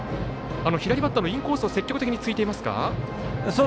左バッターのインコース積極的についていますか？